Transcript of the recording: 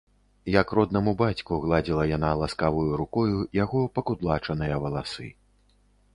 Як роднаму бацьку, гладзіла яна ласкаваю рукою яго пакудлачаныя валасы.